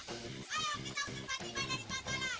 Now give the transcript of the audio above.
ayo kita usir fatimah dari pantalan